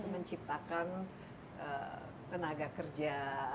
menciptakan tenaga kerja